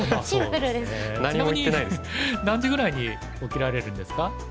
ちなみに何時ぐらいに起きられるんですか？